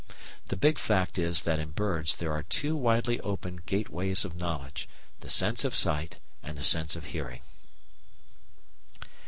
The big fact is that in birds there are two widely open gateways of knowledge, the sense of sight and the sense of hearing.